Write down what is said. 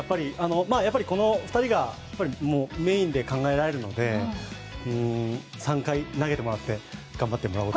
やはり、この２人がメインに考えられるので３回投げてもらって頑張ってもらおうと。